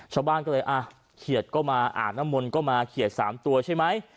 ชาวบ้านก็เลยอ่ะเขียดก็มาอาบน้ำมนต์ก็มาเขียด๓ตัวใช่ไหม